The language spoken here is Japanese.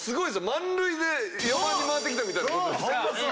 満塁で４番に回ってきたみたいなもんです。